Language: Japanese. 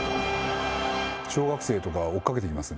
小学生とか、追っかけてきますね。